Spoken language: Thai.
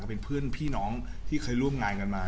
เป็นเพื่อนพี่น้องที่เคยร่วมงานกันมา